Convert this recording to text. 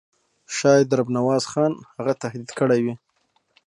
شاید رب نواز خان هغه تهدید کړی وي.